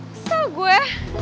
kesel gua ya